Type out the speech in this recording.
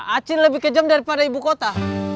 aceh lebih kejam daripada ibu kota